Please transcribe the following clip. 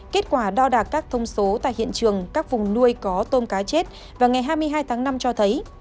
kết quả đo đạt các thông số tại hiện trường các vùng nuôi có tôm cá chết và ngày hai mươi hai tháng năm cho thấy